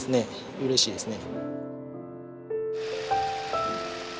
うれしいですね。